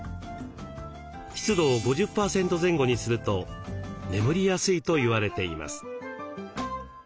湿度を５０％前後にすると眠りやすいと言われています。